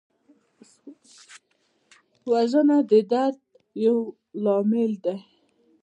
وژنه د درد یو لامل دی